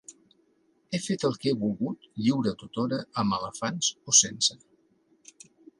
He fet el que he volgut, lliure tothora, amb elefants o sense.